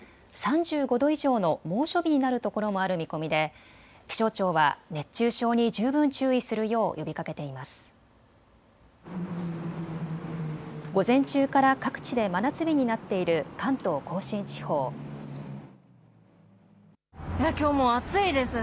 ３５度以上の猛暑日になるところもある見込みで気象庁は熱中症に十分注意するよう呼びかけています。